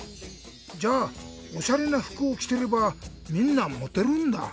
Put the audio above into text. じゃあおしゃれなふくをきてればみんなモテるんだ？